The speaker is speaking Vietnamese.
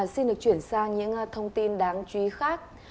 xin được chuyển sang những thông tin đáng chú ý khác